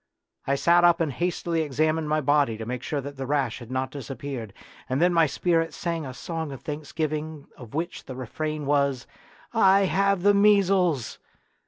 I sat up and hastily examined my body to make sure that the rash had not disappeared, and then my spirit sang a song of thanksgiving of which the refrain was, " I have the measles